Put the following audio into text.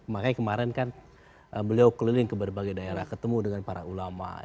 makanya kemarin kan beliau keliling ke berbagai daerah ketemu dengan para ulama